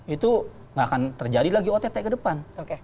itu tidak akan terjadi lagi ott ke depan